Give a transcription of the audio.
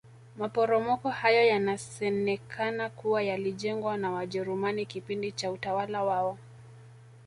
maporomoko hayo yanasenekana kuwa yalijengwa na wajerumani kipindi cha utawala wao